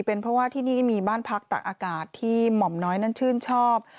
เป็นเพราะว่าที่นี่มีบ้านพักตักอากาศที่หม่อมน้อยนั้นชื่นชอบ